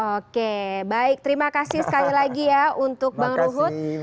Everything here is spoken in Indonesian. oke baik terima kasih sekali lagi ya untuk bang ruhut